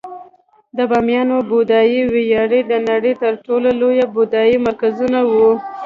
د بامیانو بودایي ویهارې د نړۍ تر ټولو لوی بودایي مرکزونه وو